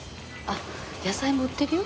野菜も売ってるよ。